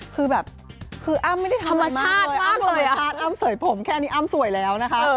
คือแบบคืออ้ำไม่ได้ทำอะไรมากเลยอ้ำสวยผมแค่นี้อ้ำสวยแล้วนะคะ